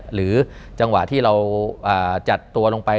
หรือจังหวะที่เราจัดตัวลงไป